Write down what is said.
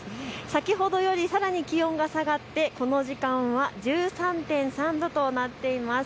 先ほどよりさらに気温が下がってこの時間は１３．３度となっています。